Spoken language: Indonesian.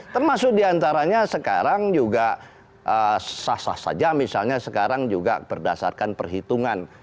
termasuk diantaranya sekarang juga sah sah saja misalnya sekarang juga berdasarkan perhitungan